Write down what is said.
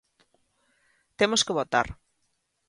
Temos que votar.